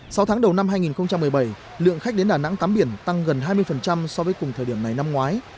sau tháng đầu năm hai nghìn một mươi bảy lượng khách đến đà nẵng tắm biển tăng gần hai mươi so với cùng thời điểm này năm ngoái